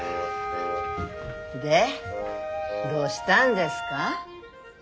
でどうしたんですか？